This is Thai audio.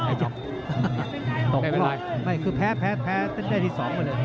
ได้เจ็บตกหรอกไม่คือแพ้ได้ที่สองไปเลย